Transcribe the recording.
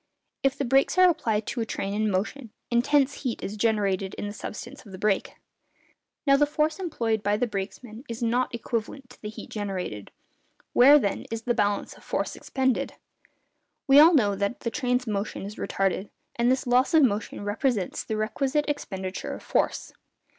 If the brakes are applied to a train in motion, intense heat is generated in the substance of the brake. Now, the force employed by the brakesman is not equivalent to the heat generated. Where, then, is the balance of force expended? We all know that the train's motion is retarded, and this loss of motion represents the requisite expenditure of force.